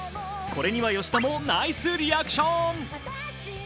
これには吉田もナイスリアクション。